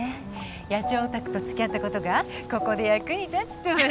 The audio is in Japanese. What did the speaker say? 野鳥オタクと付き合ったことがここで役に立つとはね。